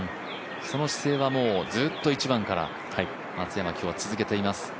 その姿勢はずっと１番から松山は今日続けています。